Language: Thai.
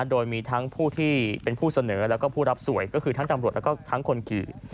โดยมีทั้งผู้ที่เป็นผู้เสนอแล้วก็ผู้รับสวยก็คือทั้งตำรวจแล้วก็ทั้งคนขี่